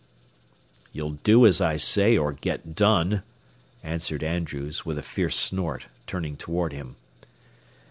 "You'll do as I say or get done," answered Andrews, with a fierce snort, turning toward him.